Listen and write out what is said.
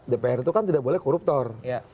dpr itu kan tidak boleh koruptor